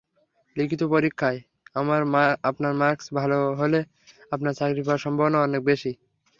লিখিত পরীক্ষায় আপনার মার্কস ভালো হলে আপনার চাকরি পাওয়ার সম্ভাবনা অনেক বেশি।